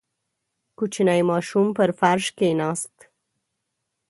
• کوچنی ماشوم پر فرش کښېناست.